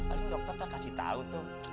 aduh dokter tuh kasih tau tuh